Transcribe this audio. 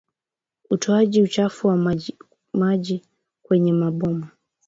Utoaji uchafu wa majimaji kwenye maboma